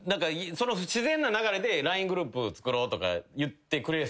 自然な流れでＬＩＮＥグループつくろうとか言ってくれそうな感じも。